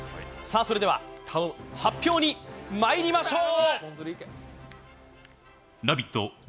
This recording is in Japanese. それでは発表にまいりましょう。